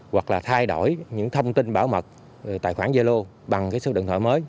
hoặc là thay đổi những thông tin bảo mật tài khoản gia lô bằng số điện thoại mới